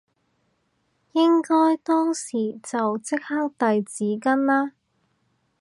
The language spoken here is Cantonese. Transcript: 應該當時就即刻遞紙巾啦